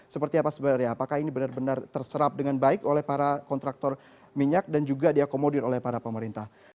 seperti apa sebenarnya apakah ini benar benar terserap dengan baik oleh para kontraktor minyak dan juga diakomodir oleh para pemerintah